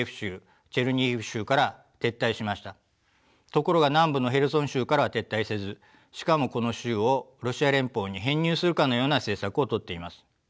ところが南部のヘルソン州からは撤退せずしかもこの州をロシア連邦に編入するかのような政策をとっています。